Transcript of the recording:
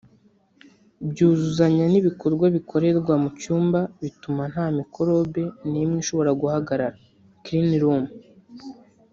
byuzuzanya n’ibikorwa bikorerwa mu cyumba bituma nta mikorobe nimwe ishobora kuhagaragara (clean room)